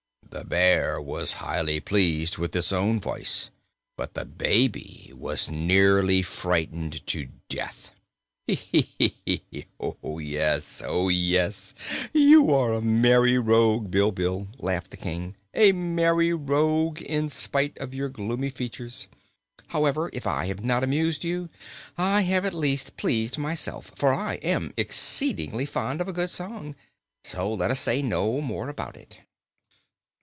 "The bear was highly pleased with its own voice, but the baby was nearly frightened to death." "Heh, heb, heh, heh, whoo, hoo, hoo! You are a merry rogue, Bilbil," laughed the King; "a merry rogue in spite of your gloomy features. However, if I have not amused you, I have at least pleased myself, for I am exceedingly fond of a good song. So let us say no more about it."